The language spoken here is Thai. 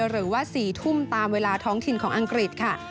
หรือว่า๔ทุ่มตามเวลาท้องถิ่นของอังกฤษค่ะ